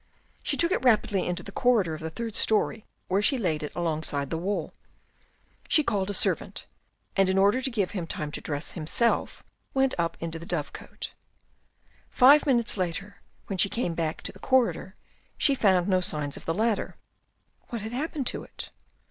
She took it rapidly into the corridor of the third storey where she laid it alongside the wall. She called a servant, and in order to give him time to dress himself, went up into the dovecot. Five minutes later, when she came back to the corridor, she found no signs of the ladder. What had happened to it